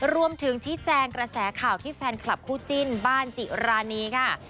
รวมถึงชี้แจงกระแสข่าวที่แฟนคลับคู่จิ้นบ้านจิรานีค่ะ